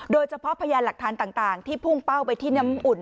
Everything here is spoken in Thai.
โดยเฉพาะพยานหลักฐานต่างที่พุ่งเป้าไปที่น้ำอุ่น